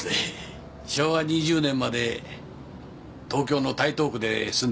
昭和２０年まで東京の台東区で住んでおられたとか。